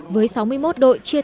với sáu mươi một đội chia thị